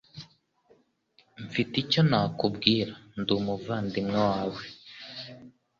Mfite icyo nakubwira. Ndi umuvandimwe wawe.